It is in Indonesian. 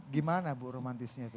gimana bu romantisnya itu